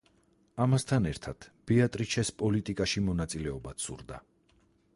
ამასთან ერთად, ბეატრიჩეს პოლიტიკაში მონაწილეობაც სურდა.